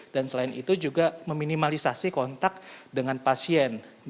dan selain itu juga meminimalisasi kontak dengan pasien